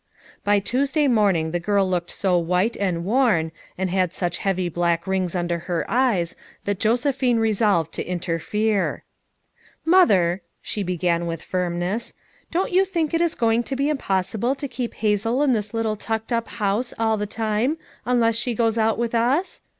By Tuoaday morning the girl looked ho white and worn, and had audi heavy 246 FOUE MOTHERS AT CHAUTAUQUA black rings under lier eyes that Josephine re solved to interfere. "Mother," she began with firmness, "don't you think it is going* to be impossible to keep Hazel in this little tucked up house all the time, unless she goes out with us!